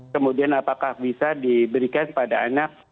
kemudian apakah bisa diberikan pada anak